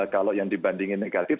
kalau yang dibandingin negatif